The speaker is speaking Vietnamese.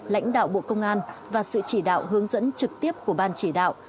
lãnh đạo bộ công an và sự chỉ đạo hướng dẫn trực tiếp của ban chỉ đạo